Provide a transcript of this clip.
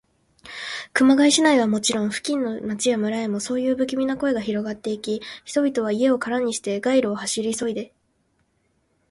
熊谷市内はもちろん、付近の町や村へも、そういうぶきみな声がひろがっていき、人々は家をからにして、街路へ走りいで、